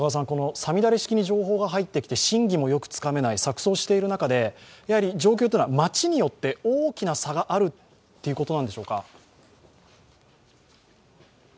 さみだれ式に情報が入ってきて真偽もよくつかめない錯綜している中で、状況は町によって大きな差があるということなんでしょうか？